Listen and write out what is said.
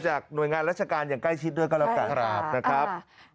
หน่วยงานราชการอย่างใกล้ชิดด้วยก็แล้วกันนะครับ